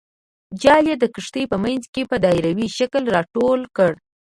جال یې د کښتۍ په منځ کې په دایروي شکل راټول کړ.